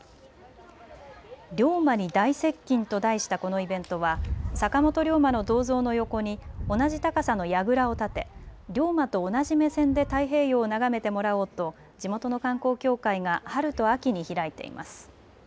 龍馬に大接近と題したこのイベントは坂本龍馬の銅像の横に同じ高さのやぐらを建て龍馬と同じ目線で太平洋を眺めてもらおうと地元の観光協会が春と秋に開いています。